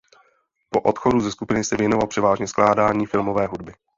Po odchodu ze skupiny se věnoval převážně skládání filmové hudby.